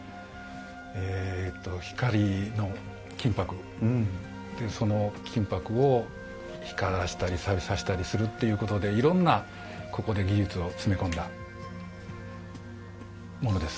えっと光の金箔その金箔を光らせたりさびさせたりするっていうことでいろんなここで技術を詰め込んだものです。